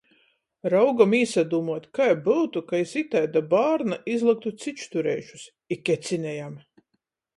Raugom īsadūmuot, kai byutu, ka iz itaida bārna izlyktu cičtureišus, i kecinejam.